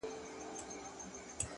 د حقیقت درناوی وجدان پیاوړی کوي,